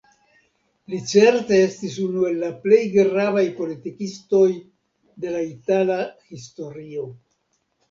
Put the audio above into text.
Li certe estis unu el la plej gravaj politikistoj de la itala historio.